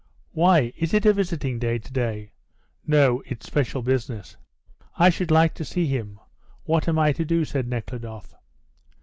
"Why, is it a visiting day to day?" "No; it's special business." "I should like to see him. What am I to do?" said Nekhludoff.